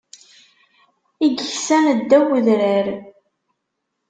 I yeksan ddaw n udrar.